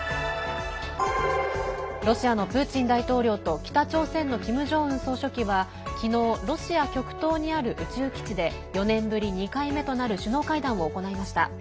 ロシアのプーチン大統領と北朝鮮のキム・ジョンウン総書記は昨日、ロシア極東にある宇宙基地で４年ぶり２回目となる首脳会談を行いました。